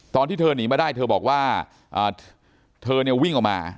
ตอนที่เธอหนีมาได้เธอบอกว่าเธอเนี่ยวิ่งออกมา